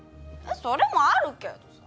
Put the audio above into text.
それもあるけどさ。